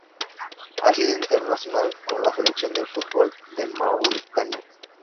Ha sido internacional con la Selección de fútbol de Mauritania.